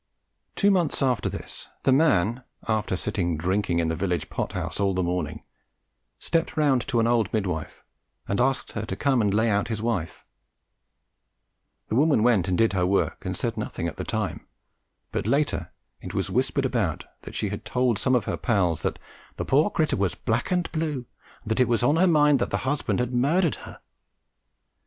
Two months after this the man, after sitting drinking in the village pot house all the morning, stepped round to an old mid wife and asked her "to come and lay his wife out." The woman went and did her work and said nothing at the time, but later on it was whispered about that she had told some of her pals that "the poor crittur was black and blue, and that it was on her mind that the husband had murdered her!"